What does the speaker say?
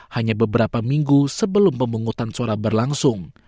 hanya beberapa minggu sebelum pemungutan suara berlangsung